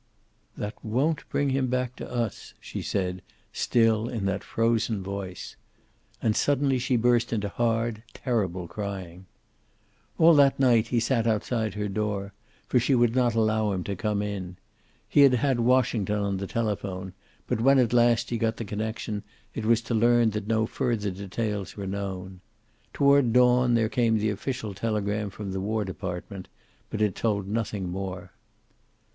"That won't bring him back to us," she said, still in that frozen voice. And suddenly she burst into hard, terrible crying. All that night he sat outside her door, for she would not allow him to come in. He had had Washington on the telephone, but when at last he got the connection it was to learn that no further details were known. Toward dawn there came the official telegram from the War Department, but it told nothing more.